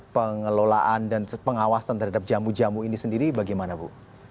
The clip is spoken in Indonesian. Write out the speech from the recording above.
pengelolaan dan pengawasan terhadap jamu jamu ini sendiri bagaimana bu